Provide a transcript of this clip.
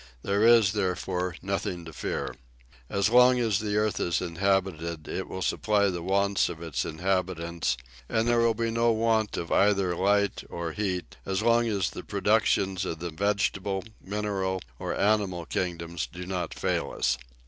There is, therefore, nothing to fear. As long as the earth is inhabited it will supply the wants of its inhabitants, and there will be no want of either light or heat as long as the productions of the vegetable, mineral or animal kingdoms do not fail us.